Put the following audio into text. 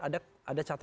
ada ada catatan